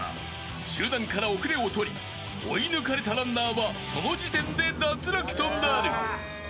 集団から遅れを取り追い抜かれたランナーはその時点で脱落となる。